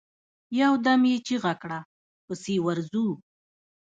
يودم يې چيغه کړه! پسې ورځو.